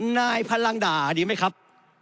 นายพลังด่าดีไหมครับ